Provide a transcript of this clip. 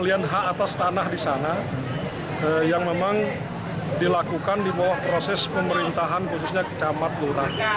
pembelian hak atas tanah di sana yang memang dilakukan di bawah proses pemerintahan khususnya kecamatan lurah